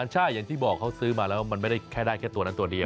ใช่อย่างที่บอกเขาซื้อมาแล้วมันไม่ได้แค่ได้แค่ตัวนั้นตัวเดียว